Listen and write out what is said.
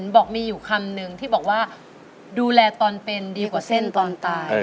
บอกมีอยู่คำนึงที่บอกว่าดูแลตอนเป็นดีกว่าเส้นตอนตาย